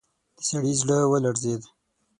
د سړي زړه ولړزېد.